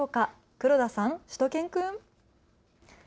黒田さん、しゅと犬くん。